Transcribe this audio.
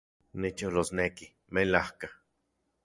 Nicholosneki, melajka